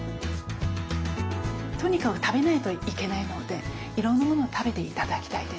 とにかく食べないといけないのでいろんなものを食べて頂きたいです。